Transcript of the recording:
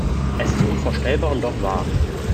Es ist unvorstellbar und doch wahr.